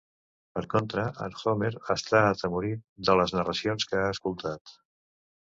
Per contra, en Homer està atemorit de les narracions que ha escoltat.